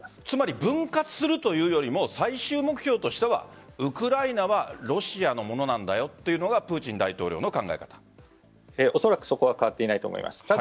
つまり分割するというよりも最終目標としてはウクライナはロシアのものなんだよというのがおそらくそこは変わっていないと思います。